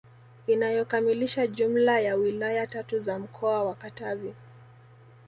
Inayokamilisha jumla ya wilaya tatu za mkoa wa Katavi